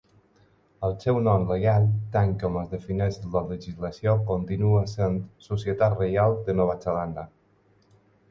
El seu nom legal, tal com es defineix en la legislació, continua sent Societat Reial de Nova Zelanda.